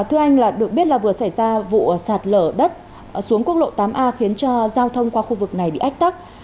thưa anh là được biết là vừa xảy ra vụ sạt lở đất xuống quốc lộ tám a khiến cho giao thông qua khu vực này bị ách tắc